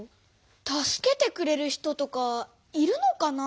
助けてくれる人とかいるのかなあ？